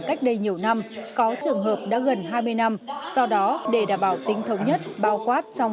cách đây nhiều năm có trường hợp đã gần hai mươi năm do đó để đảm bảo tính thống nhất bao quát trong